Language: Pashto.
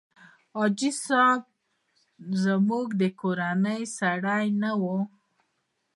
حاجي صاحب زموږ د کورنۍ سړی نه و.